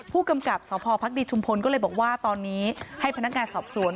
ผู้กำกับสพภักดีชุมพลก็เลยบอกว่าตอนนี้ให้พนักงานสอบสวน